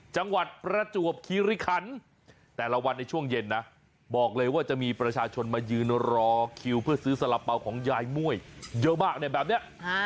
จังหวัดประจวบคิริคันแต่ละวันในช่วงเย็นนะบอกเลยว่าจะมีประชาชนมายืนรอคิวเพื่อซื้อสละเป๋าของยายม่วยเยอะมากเนี่ยแบบนี้